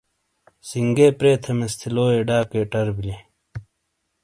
سنگۓ پرے تھیمیس تھے لویئے ڈاکے فوٹیلے/ٹر بلے۔